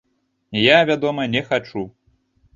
Я, вядома, не хачу.